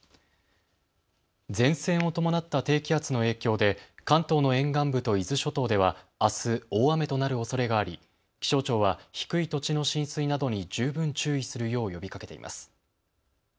前線を伴った低気圧の影響で関東の沿岸部と伊豆諸島ではあす大雨となるおそれがあり気象庁は低い土地の浸水などに十分注意するよう呼びかけています。